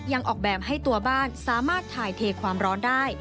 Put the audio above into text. ออกแบบให้ตัวบ้านสามารถถ่ายเทความร้อนได้